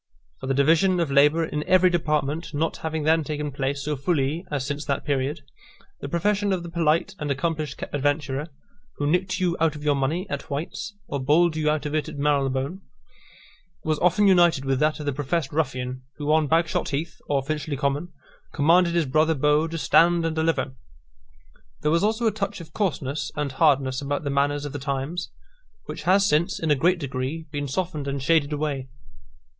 For the division of labour in every department not having then taken place so fully as since that period, the profession of the polite and accomplished adventurer, who nicked you out of your money at White's, or bowled you out of it at Marylebone, was often united with that of the professed ruffian, who on Bagshot Heath, or Finchley Common, commanded his brother beau to stand and deliver. There was also a touch of coarseness and hardness about the manners of the times, which has since, in a great degree, been softened and shaded away.